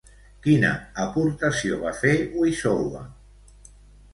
Quina aportació va fer Wissowa?